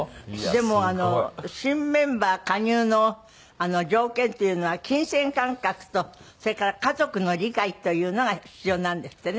でも新メンバー加入の条件っていうのは金銭感覚とそれから家族の理解というのが必要なんですってね。